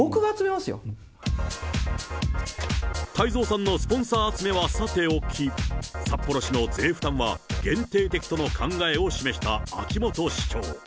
太蔵さんのスポンサー集めはさておき、札幌市の税負担は限定的との考えを示した秋元市長。